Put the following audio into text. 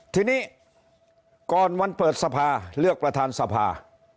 ทีนี้ก่อนวันเปิดสภาเลือกประธานสภา